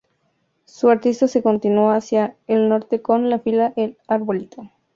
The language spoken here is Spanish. Su arista se continúa hacia el norte con la fila El Arbolito.